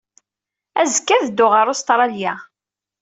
Azekka, ad dduɣ ɣer Ustṛalya.